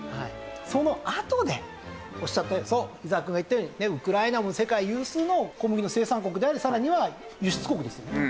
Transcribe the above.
そのあとでおっしゃったようにそう伊沢くんが言ったようにウクライナも世界有数の小麦の生産国でありさらには輸出国ですよね。